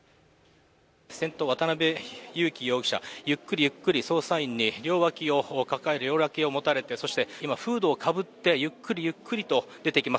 先頭、渡辺優樹容疑者、ゆっくり、ゆっくり捜査員に両脇を持たれてそしてフードをかぶってゆっくりゆっくりと出てきます。